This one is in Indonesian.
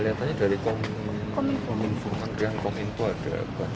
itu dari kementerian kepala kepala kepala kepala